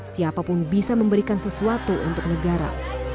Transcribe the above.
siapapun bisa memberikan sesuatu untuk negara